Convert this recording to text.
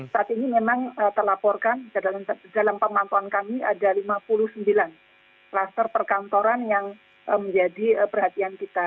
saat ini memang terlaporkan dalam pemantauan kami ada lima puluh sembilan kluster perkantoran yang menjadi perhatian kita